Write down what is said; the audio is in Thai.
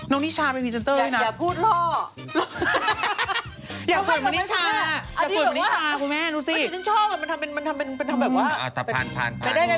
น้องนิชชาเป็นพิเศนเตอร์ดิน้าจริงหลอฮ่า